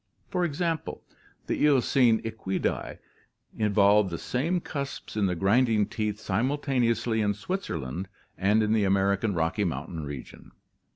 For example, the Eocene Equidse evolved the same cusps in the grinding teeth simul taneously in Switzerland and in the American Rocky Mountain region.